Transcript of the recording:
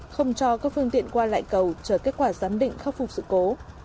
không cho các phương tiện qua lại cầu chờ kết quả giám định khắc phục sự cố